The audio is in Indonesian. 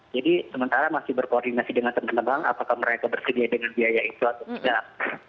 jadi sementara masih berkoordinasi dengan teman teman apakah mereka bersedia dengan biaya itu atau tidak